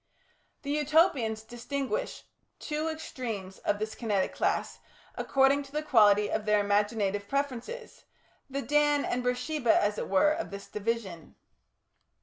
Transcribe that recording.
The Utopians distinguished two extremes of this Kinetic class according to the quality of their imaginative preferences, the Dan and Beersheba, as it were, of this division.